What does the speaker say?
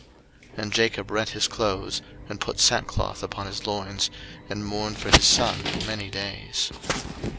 01:037:034 And Jacob rent his clothes, and put sackcloth upon his loins, and mourned for his son many days.